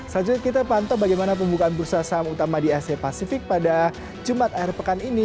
selanjutnya kita pantau bagaimana pembukaan bursa saham utama di asia pasifik pada jumat akhir pekan ini